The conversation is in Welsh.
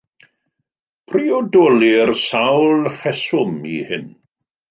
Priodolir sawl rheswm i hyn.